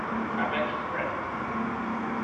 I bet she's pregnant!